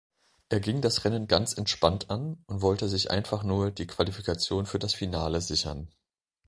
Er ging das Rennen ganz entspannt an und wollte sich einfach nur die Qualifikation für das Finale sichern.